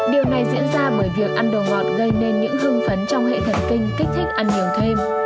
điều này diễn ra bởi việc ăn đồ ngọt gây nên những hưng phấn trong hệ thần kinh kích thích ăn nhiều thêm